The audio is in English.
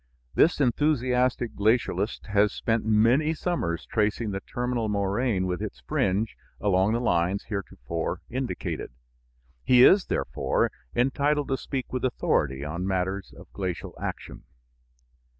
This enthusiastic glacialist has spent many summers tracing the terminal moraine with its fringe along the lines heretofore indicated. He is, therefore, entitled to speak with authority on matters of glacial action.